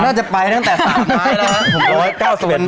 ผมน่าจะไปตั้งแต่๓ไม้แล้วนะ